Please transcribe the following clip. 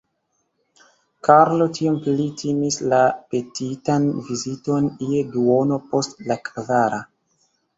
Karlo tiom pli timis la petitan viziton je duono post la kvara.